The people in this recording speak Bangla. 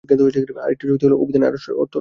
আরেকটি যুক্তি হলো, অভিধানে আরশ অর্থ রাজ সিংহাসন।